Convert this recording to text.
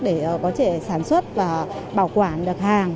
để có thể sản xuất và bảo quản được hàng